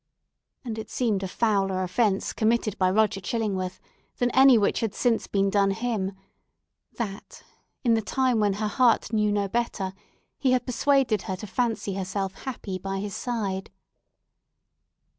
And it seemed a fouler offence committed by Roger Chillingworth than any which had since been done him, that, in the time when her heart knew no better, he had persuaded her to fancy herself happy by his side.